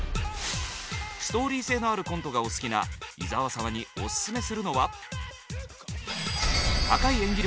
ストーリー性のあるコントがお好きな伊沢様にオススメするのは。